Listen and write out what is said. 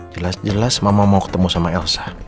jelas jelas mama mau ketemu sama elsa